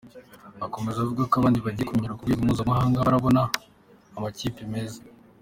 Akomeza avuga ko abandi bagiye bamenyekana ku rwego mpuzamahanga bakabona amakipe meza.